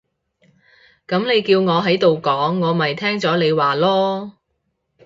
噉你叫我喺度講，我咪聽咗你話囉